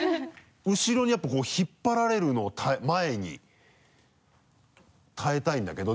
後ろにやっぱこう引っ張られるのを前に耐えたいんだけど。